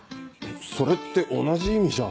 それって同じ意味じゃ。